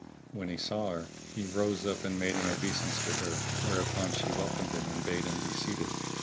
When he saw her, he rose up and made an obeisance to her, whereupon she welcomed him and bade him be seated.